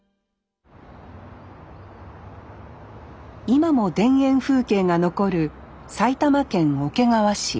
今も田園風景が残る埼玉県桶川市。